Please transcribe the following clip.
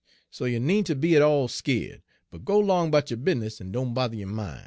So you neenter be at all skeered, but go 'long 'bout yo' bizness en doan bother yo' min'.'